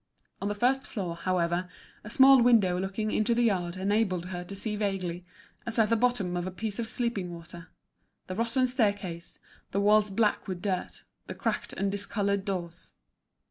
On the first floor, however, a small window looking into the yard enabled her to see vaguely, as at the bottom of a piece of sleeping water, the rotten staircase, the walls black with dirt, the cracked and discoloured doors.